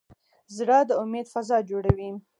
زړه د امید فضا جوړوي.